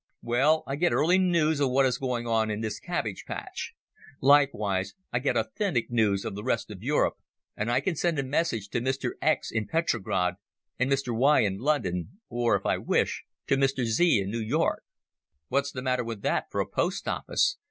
"Well, I get early noos of what is going on in this cabbage patch. Likewise I get authentic noos of the rest of Europe, and I can send a message to Mr X. in Petrograd and Mr Y. in London, or, if I wish, to Mr Z. in Noo York. What's the matter with that for a post office?